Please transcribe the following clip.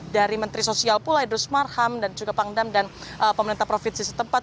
dari menteri sosial pula idrus marham dan juga pangdam dan pemerintah provinsi setempat